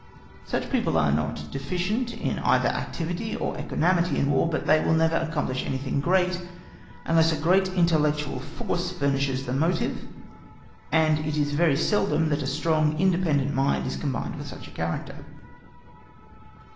Such people are not deficient in either activity or equanimity in War; but they will never accomplish anything great unless a great intellectual force furnishes the motive, and it is very seldom that a strong, independent mind is combined with such a character.